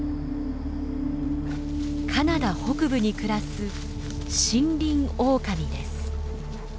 カナダ北部に暮らすシンリンオオカミです。